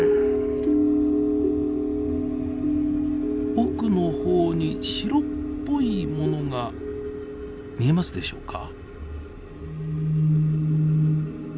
奥の方に白っぽいものが見えますでしょうか？